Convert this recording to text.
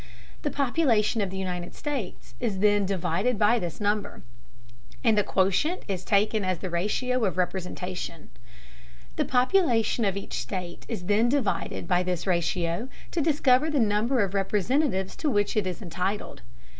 The population of the United States is then divided by this number, and the quotient is taken as the ratio of representation. The population of each state is then divided by this ratio to discover the number of Representatives to which it is entitled.